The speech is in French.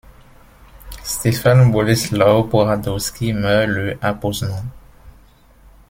Stefan Boleslaw Poradowski meurt le à Poznań.